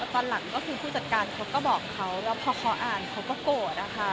ตอนหลังก็คือผู้จัดการเขาก็บอกเขาแล้วพอเขาอ่านเขาก็โกรธอะค่ะ